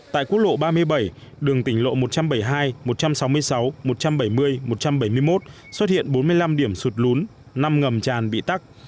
tại quốc lộ ba mươi bảy đường tỉnh lộ một trăm bảy mươi hai một trăm sáu mươi sáu một trăm bảy mươi một trăm bảy mươi một xuất hiện bốn mươi năm điểm sụt lún năm ngầm tràn bị tắt